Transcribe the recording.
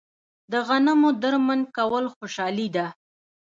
د غنمو درمند کول خوشحالي ده.